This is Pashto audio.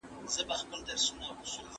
سګریټ د بدن لپاره بدتر دی.